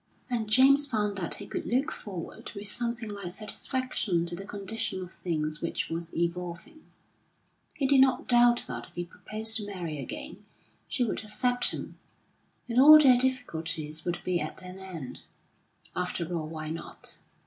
And James found that he could look forward with something like satisfaction to the condition of things which was evolving. He did not doubt that if he proposed to Mary again, she would accept him, and all their difficulties would be at an end. After all, why not?